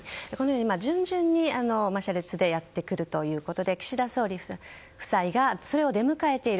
順々に車列でやってくるということで岸田総理夫妻がそれを出迎えている。